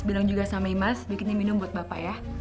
bilang juga sama imas bikinnya minum buat bapak ya